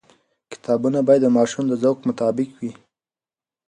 کتابونه باید د ماشوم د ذوق مطابق وي.